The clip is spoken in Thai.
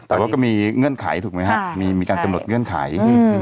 ตอนนี้ก็มีเงื่อนไขถูกไหมฮะใช่มีมีการสนดเงื่อนไขอืม